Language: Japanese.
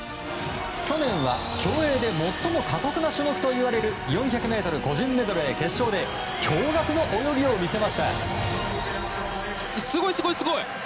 去年は競泳で最も過酷な種目といわれる４００ｍ個人メドレー決勝で驚愕の泳ぎを見せました。